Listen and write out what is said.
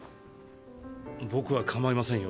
僕はかまいませんよ。